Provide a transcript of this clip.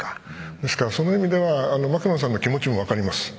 ですからその意味ではマクロンさんの気持ちも分かります。